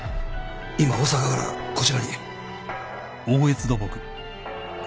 今大阪からこちらに。